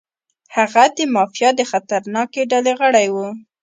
هغه د مافیا د خطرناکې ډلې غړی و.